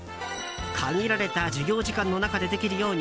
限られた授業時間の中でできるように